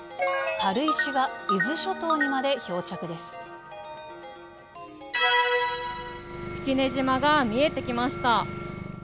軽石が伊豆諸島にまで漂着で式根島が見えてきました。